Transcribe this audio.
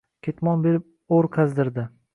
Ketmon berib o‘r qazdirdi